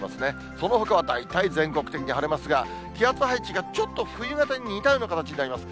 そのほかは大体、全国的に晴れますが、気圧配置がちょっと冬型に似たような形になります。